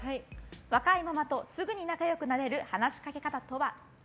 若いママとすぐに仲良くなれる話しかけ方とは？